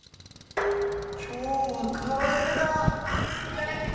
今日は唐揚げだ！